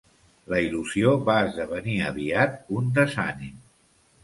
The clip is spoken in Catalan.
La il·lusió va esdevenir aviat un desànim.